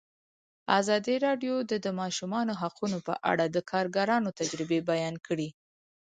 ازادي راډیو د د ماشومانو حقونه په اړه د کارګرانو تجربې بیان کړي.